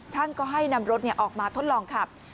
ช่างก็ให้นำรถออกมาทดลองขับ